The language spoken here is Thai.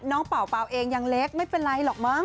เป่าเปล่าเองยังเล็กไม่เป็นไรหรอกมั้ง